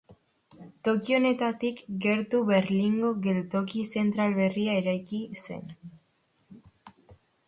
Toki honetatik gertu, Berlingo Geltoki Zentral berria eraiki zen.